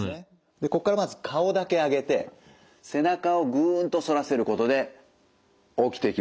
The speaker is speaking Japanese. でここからまず顔だけ上げて背中をグンと反らせることで起きてきます。